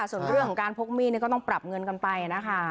ส่วนเรื่องของการพกมีดก็ต้องปรับเงินกันไปนะคะ